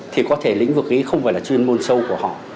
thì có thể lĩnh vực ấy không phải là chuyên môn sâu của họ